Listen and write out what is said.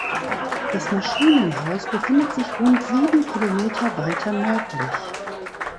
Das Maschinenhaus befindet sich rund sieben Kilometer weiter nördlich.